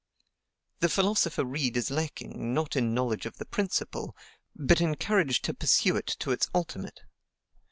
The philosopher Reid is lacking, not in knowledge of the principle, but in courage to pursue it to its ultimate.